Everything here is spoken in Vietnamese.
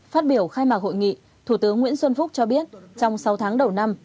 phát biểu khai mạc hội nghị thủ tướng nguyễn xuân phúc cho biết trong sáu tháng đầu năm